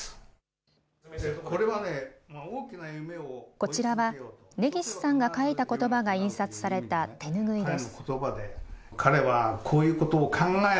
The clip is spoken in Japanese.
こちらは根岸さんが書いたことばが印刷された手拭いです。